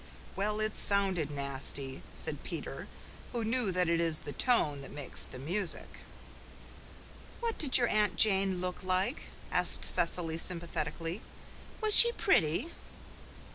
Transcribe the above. "Well, it sounded nasty," said Peter, who knew that it is the tone that makes the music. "What did your Aunt Jane look like?" asked Cecily sympathetically. "Was she pretty?"